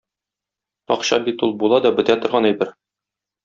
Акча бит ул була да бетә торган әйбер.